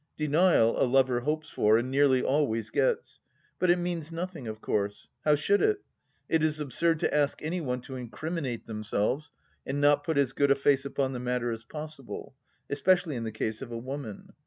Denial a lover hopes for, and nearly always gets. But it means nothing, of course. How should it? It is absurd to ask any one to incriminate themselves and not put as good a face upon the matter as possible, especially in the case of a woman.